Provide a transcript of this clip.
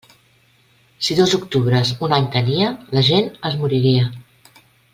Si dos octubres un any tenia, la gent es moriria.